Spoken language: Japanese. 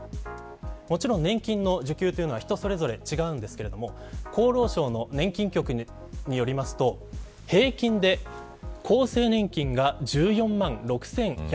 もちろん年金の受給は人それぞれ違うんですが厚労省の年金局によると平均で厚生年金が１４万６１４５円